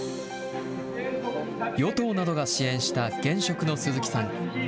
与党などが支援した現職の鈴木さん。